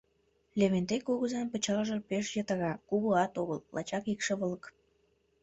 Левентей кугызан пычалже пеш йытыра, кугуат огыл, лачак икшывылык.